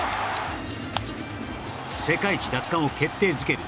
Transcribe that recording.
世界一奪還を決定づける